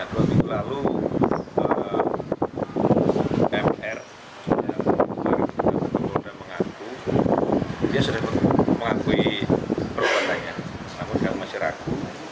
dua minggu lalu mr sudah mengaku dia sudah mengakui perubatan namun kan masih raku